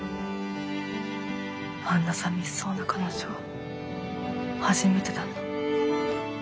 あんなさみしそうな彼女初めてだな。